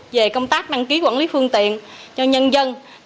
về công tác đăng ký quản lý phương tiện cho nhân dân